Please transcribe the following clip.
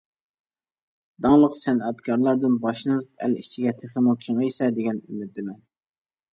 داڭلىق سەنئەتكارلاردىن باشلىنىپ، ئەل ئىچىگە تېخىمۇ كېڭەيسە دېگەن ئۈمىدىمەن.